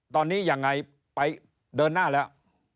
ตอนนี้ยังไงไปเดินหน้าแล้ว